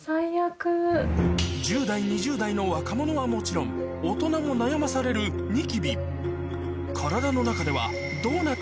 １０代２０代の若者はもちろん大人も悩まされるおら！